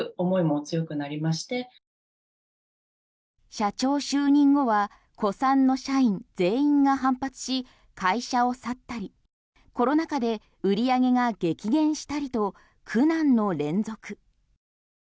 社長就任後は古参の社員全員が反発し会社を去ったりコロナ禍で売り上げが激減したりと苦難の連続。